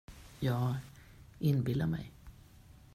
Jag inbillar mig.